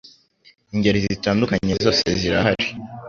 ingeri zitandukanye zose zirahari